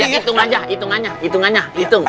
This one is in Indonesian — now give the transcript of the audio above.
ya hitung aja hitung aja